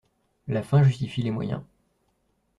La fin justifie les moyens